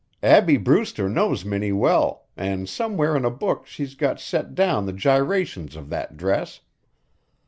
Abbie Brewster knows Minnie well an' somewhere in a book she's got set down the gyrations of that dress.